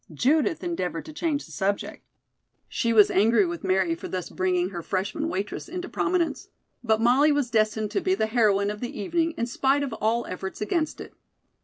Judith endeavored to change the subject. She was angry with Mary for thus bringing her freshman waitress into prominence. But Molly was destined to be the heroine of the evening in spite of all efforts against it.